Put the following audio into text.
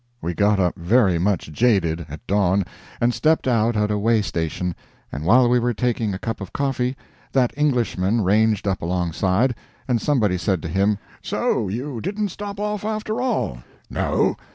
We got up very much jaded, at dawn, and stepped out at a way station; and, while we were taking a cup of coffee, that Englishman ranged up alongside, and somebody said to him: "So you didn't stop off, after all?" "No.